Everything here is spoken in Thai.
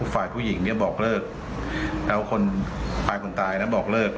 ฝ่ายผู้หญิงเนี่ยบอกเลิกแล้วคนฝ่ายคนตายนะบอกเลิก